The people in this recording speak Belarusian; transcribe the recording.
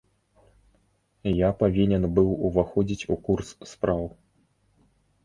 Я павінен быў уваходзіць у курс спраў.